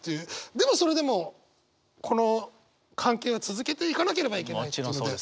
でもそれでもこの関係は続けていかなければいけないっていうので。